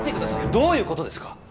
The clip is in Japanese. どういう事ですか？